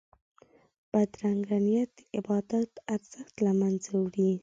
بدرنګه نیت د عبادت ارزښت له منځه وړي